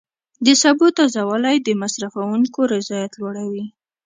د سبو تازه والی د مصرفونکو رضایت لوړوي.